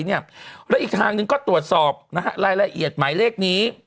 และอีกทางหนึ่งก็ตรวจสอบรายละเอียดหมายเลขนี้